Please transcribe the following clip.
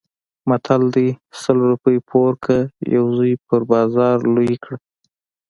متل دی: سل روپۍ پور کړه یو زوی په بازار لوی کړه.